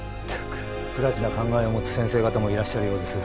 不埒な考えを持つ先生方もいらっしゃるようです。